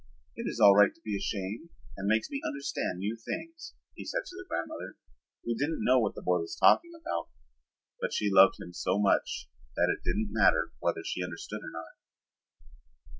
"It is all right to be ashamed and makes me understand new things," he said to the grandmother, who didn't know what the boy was talking about but loved him so much that it didn't matter whether she understood or not.